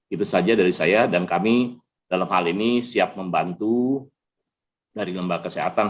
itu saja dari saya dan kami dalam hal ini siap membantu dari lembaga kesehatan